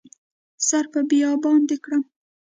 سر په بیابان دې کړم